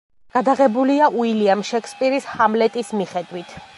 გადაღებულია უილიამ შექსპირის ჰამლეტის მიხედვით.